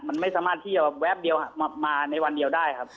มันไม่สามารถที่จะแป๊บเดียวมาในวันเดียวได้ครับ